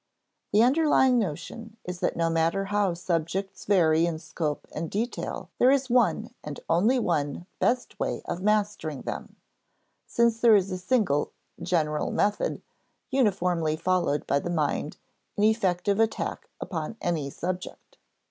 The underlying notion is that no matter how subjects vary in scope and detail there is one and only one best way of mastering them, since there is a single "general method" uniformly followed by the mind in effective attack upon any subject.